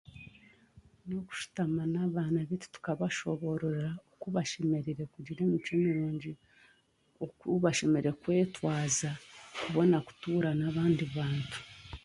n'okushutama n'baana baitu tukabashoborora ku bashemereire kugira emicwe mirungi, ok okubashemereire kwetwaza kutuura n'abandi bantu.